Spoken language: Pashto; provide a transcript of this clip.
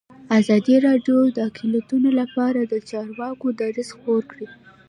ازادي راډیو د اقلیتونه لپاره د چارواکو دریځ خپور کړی.